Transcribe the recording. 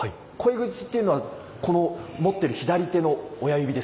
鯉口っていうのはこの持ってる左手の親指ですか？